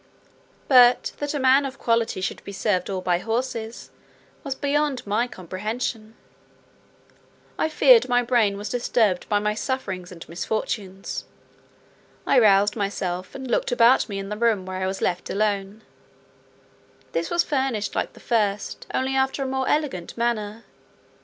But, that a man of quality should be served all by horses, was beyond my comprehension. I feared my brain was disturbed by my sufferings and misfortunes. I roused myself, and looked about me in the room where I was left alone: this was furnished like the first, only after a more elegant manner.